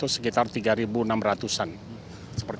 jadi kita bisa mencari serpian serpian pesawat